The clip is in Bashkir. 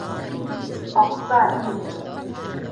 Аҡса, ир!